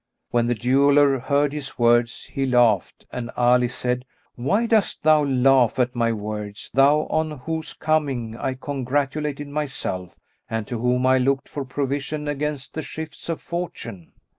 When the jeweller heard his words, he laughed; and Ali said, "Why dost thou laugh at my words, thou on whose coming I congratulated myself and to whom I looked for provision against the shifts of fortune?"